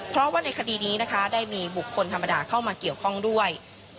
เพราะว่าในคดีนี้นะคะได้มีบุคคลธรรมดาเข้ามาเกี่ยวข้องด้วย